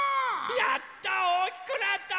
やったおおきくなった！